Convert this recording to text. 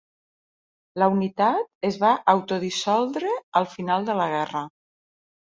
La unitat es va autodissoldre al final de la guerra.